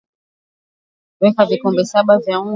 Weka vikombe saba vya unga kwenye dishi au sufuria